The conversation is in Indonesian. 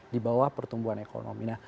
di bawah pertumbuhan ekonomi